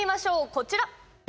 こちら。